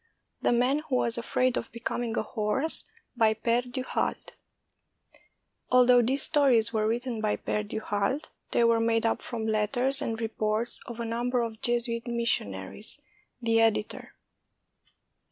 THE MAN WHO WAS AFRAID OF BECOMING A HORSE BY pfeRE DU HALDE [Although these stories were written by Pere du Halde, they were made up from letters and reports of a number of Jesuit missionaries. The Editor.